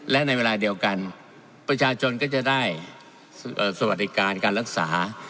และในเวลาเดียวกันประชาชนก็จะได้สวัสดิการการรักษา